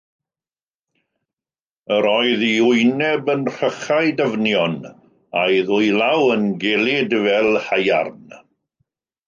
Yr oedd ei wyneb yn rhychau dyfnion, a'i ddwylaw yn gelyd fel haearn.